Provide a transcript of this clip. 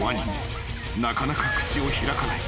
［なかなか口を開かない］